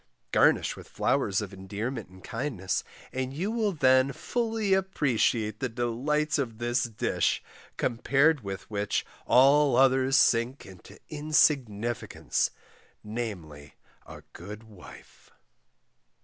Garnish with flowers of endearment and kindness, and you will then fully appreciate the delights of a dish, compared with which all others sink into insignicance; namely A GOOD WIFE.